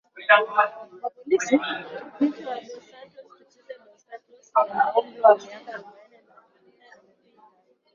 Binti wa Dos Santos Tchize dos Santos mwenye umri wa miaka arobaini na nne amepinga